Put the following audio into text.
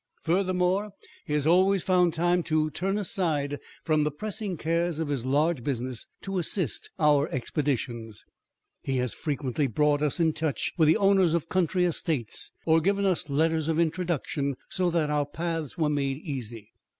Furthermore, he has always found time to turn aside from the pressing cares of his large business to assist our expeditions. He has frequently brought us in touch with the owners of country estates, or given us letters of introduction, so that our paths were made easy.